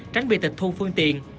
tránh bị tịch thu phương tiện